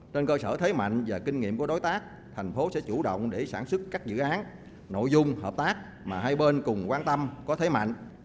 trên cơ sở thế mạnh và kinh nghiệm của đối tác thành phố sẽ chủ động để sản xuất các dự án nội dung hợp tác mà hai bên cùng quan tâm có thế mạnh